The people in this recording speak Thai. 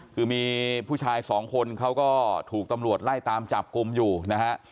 คือมีผู้ชายสองคนเขาก็ถูกตำรวจไล่ตามจับกลุ่มอยู่นะฮะ